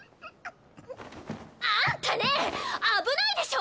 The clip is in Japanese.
あんたねえ危ないでしょ！